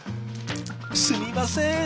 すみません！